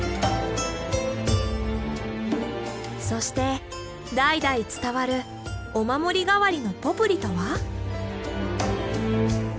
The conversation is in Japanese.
そして代々伝わるお守り代わりのポプリとは？